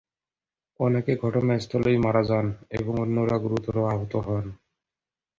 অনেকে ঘটনাস্থলেই মারা যান এবং অন্যরা গুরুতর আহত হন।